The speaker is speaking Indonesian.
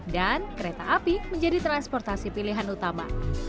dan kereta api menjadi transportasi pilihan utama